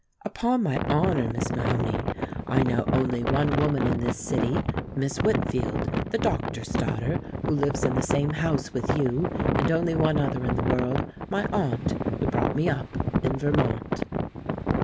"Upon my honor, Miss Mahoney, I know only one woman in this city Miss Whitfield, the doctor's daughter, who lives in the same house with you; and only one other in the world my aunt, who brought me up, in Vermont."